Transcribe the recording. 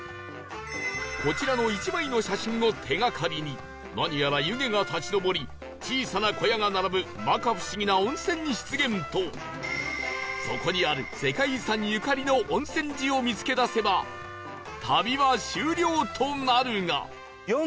こちらの１枚の写真を手がかりに何やら湯気が立ち上り小さな小屋が並ぶ摩訶不思議な温泉湿原とそこにある世界遺産ゆかりの温泉寺を見つけ出せば旅は終了となるが